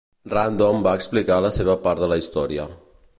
Random va explicar la seva part de la història.